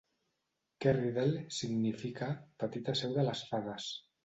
Kerrydale significa "petita seu de les fades".